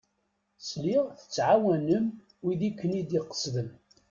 Sliɣ tettɛawanem wid i ken-id-iqesden?